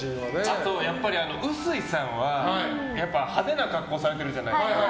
あと、碓井さんは派手な格好をされてるじゃないですか。